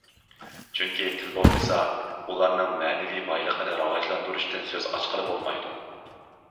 چۈنكى تىل بولمىسا، ئۇلارنىڭ مەنىۋى بايلىقىنى راۋاجلاندۇرۇشتىن سۆز ئاچقىلى بولمايدۇ.